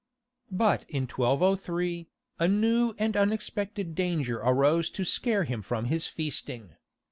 But in 1203, a new and unexpected danger arose to scare him from his feasting.